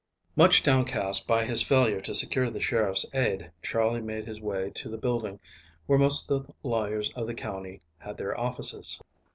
MUCH downcast by his failure to secure the sheriff's aid, Charley made his way to the building where most of the lawyers of the county had their offices.